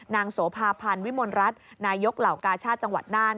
นางโสภาพรรณวิมลรัตน์นายยกเหลากาชาติจังหวัดน่าน